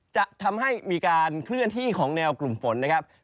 จะทำให้มีการเคลื่อนที่ของแนวกลุ่มฝนนะครับ